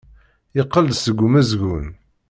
Yeqqel-d seg umezgun.